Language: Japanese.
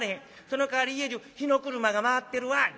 そのかわり家じゅう火の車が回ってるわ。